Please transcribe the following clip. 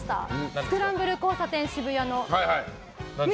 スクランブル交差点、渋谷の。